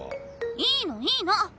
いいのいいの！